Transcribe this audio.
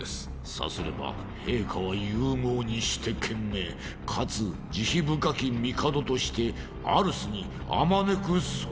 さすれば陛下は勇猛にして賢明かつ慈悲深き帝としてアルスにあまねくその栄光。